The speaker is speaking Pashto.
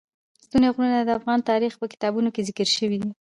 ستوني غرونه د افغان تاریخ په کتابونو کې ذکر شوی دي.